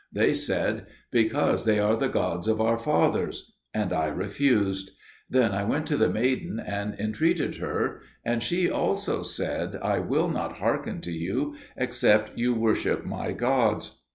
They said, "Because they are the gods of our fathers." And I refused. Then I went to the maiden and entreated her; and she also said, "I will not hearken to you, except you worship my gods."